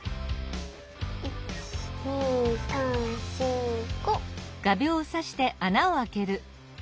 １２３４５。